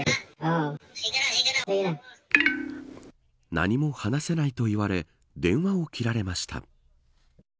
何も話さないと言われ電話を切られました。